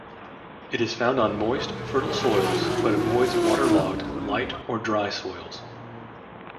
It is found on moist, fertile soils, but avoids waterlogged, light or dry soils.